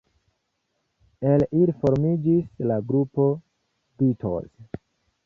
El ili formiĝis la grupo Beatles.